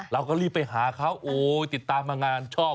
เราก็รีบไปหาเขาโอ้ยติดตามมางานชอบ